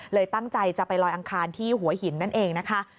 ตั้งใจจะไปลอยอังคารที่หัวหินนั่นเองนะคะ